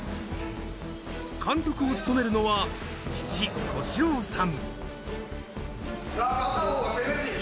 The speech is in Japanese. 監督を務めるのは父、敏郎さん。